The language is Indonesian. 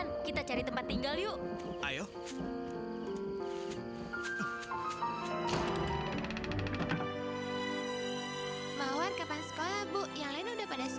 ntar aja ini bukan apa apa